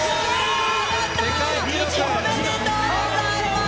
おめでとうございます。